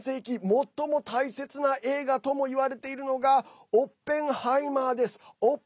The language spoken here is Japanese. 最も大切な映画ともいわれているのが「オッペンハイマー」です。